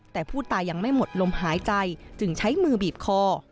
แต่ผู้ตายยังไม่หมดลมหายใจจึงใช้มือบีบคอ